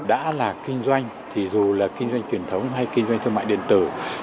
đã là kinh doanh thì dù là kinh doanh truyền thống hay kinh doanh thương mại điện tử